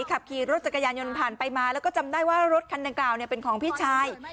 ขับขี่รถจักรยานยนต์ผ่านไปมาแล้วก็จำได้ว่ารถคันดังกล่าวเป็นของพี่ชาย